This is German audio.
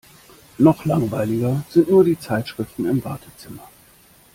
Noch langweiliger sind nur die Zeitschriften im Wartezimmer.